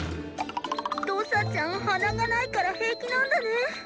ドサちゃん鼻がないから平気なんだね。